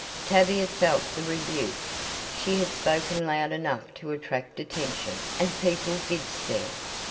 Tavia felt the rebuke she had spoken loud enough to attract attention, and people did stare.